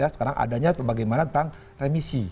sekarang adanya bagaimana tentang remisi